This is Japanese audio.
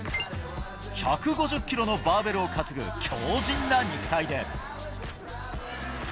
１５０キロのバーベルを担ぐ強じんな肉体で。